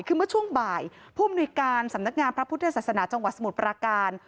คือเมื่อช่วงบ่ายผู้มนุยการสำนักงานพระพุทธศาสนาจังหวัดสมุทรปราการ